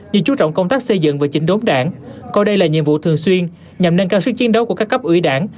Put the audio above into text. như chú trọng công tác xây dựng và chỉnh đốn đảng coi đây là nhiệm vụ thường xuyên nhằm nâng cao sức chiến đấu của các cấp ủy đảng